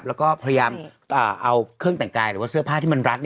แล้วก็พยายามเอาเครื่องแต่งกายหรือว่าเสื้อผ้าที่มันรัด